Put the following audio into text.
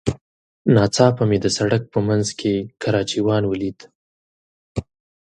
ناڅاپه مې د سړک په منځ کې کراچيوان وليد.